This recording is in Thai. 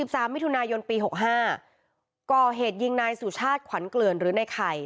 สามมิถุนายนปีหกห้าก่อเหตุยิงนายสุชาติขวัญเกลือนหรือในไข่